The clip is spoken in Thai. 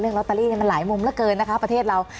ลอตเตอรี่มันหลายมุมเหลือเกินนะคะประเทศเรา